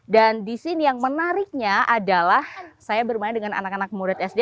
dan di sini yang menariknya adalah saya bermain dengan anak anak murid sd